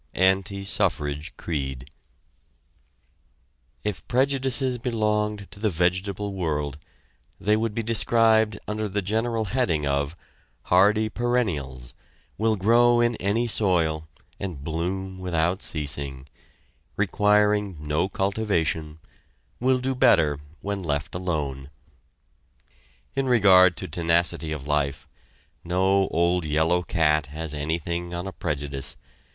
Anti Suffrage Creed. If prejudices belonged to the vegetable world they would be described under the general heading of: "Hardy Perennials; will grow in any soil, and bloom without ceasing; requiring no cultivation; will do better when left alone." In regard to tenacity of life, no old yellow cat has anything on a prejudice.